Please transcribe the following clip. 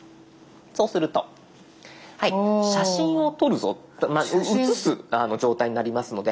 そうすると写真を撮るぞうつす状態になりますので。